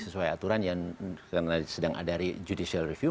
sesuai aturan yang sedang ada dari judicial review